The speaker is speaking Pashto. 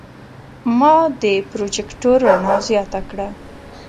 ما د پروجیکتور رڼا زیاته کړه.